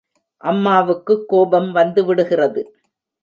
அம்மாவுக்குக் கோபம் வந்துவிடுகிறது.